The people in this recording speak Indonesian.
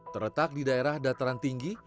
terletak di daerah dataran tinggi